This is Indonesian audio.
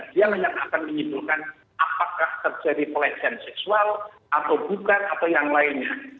dia yang akan menyimpulkan apakah terjadi pelecehan seksual atau bukan atau yang lainnya